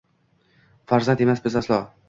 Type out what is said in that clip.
Farzand emas biz aslo.